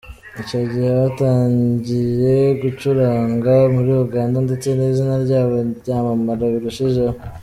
Icyo gihe batangiye gucurangwa muri Uganda ndetse n’izina ryabo ryamamara birushijeho.